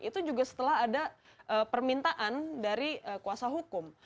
itu juga setelah ada permintaan dari kuasa hukum